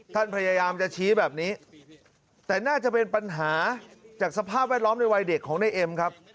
พยายามจะชี้แบบนี้แต่น่าจะเป็นปัญหาจากสภาพแวดล้อมในวัยเด็กของนายเอ็มครับ